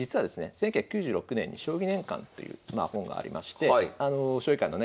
１９９６年に「将棋年鑑」という本がありまして将棋界のね